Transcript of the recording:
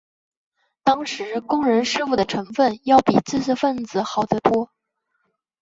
当时工人师傅的成分要比知识分子好得多。